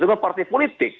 itu kan partai politik